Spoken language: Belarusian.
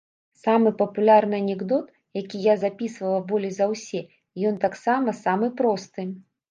Самы папулярны анекдот, які я запісвала болей за ўсе, ён таксама самы просты.